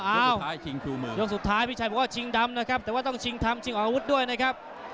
โอ้โหโยงสุดท้ายพี่ชัยพูดว่าชิงดำนะครับแต่ว่าต้องชิงทำชิงออกอาวุธด้วยนะครับ